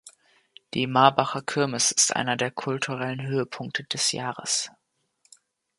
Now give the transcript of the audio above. Die Marbacher Kirmes ist einer der kulturellen Höhepunkte des Jahres.